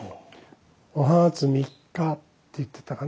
「お初三日」って言ってたかな。